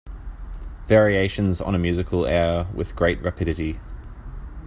Variations on a musical air With great rapidity.